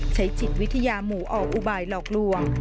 ใช้จิตวิทยาหมู่ออกอุบายหลอกลวง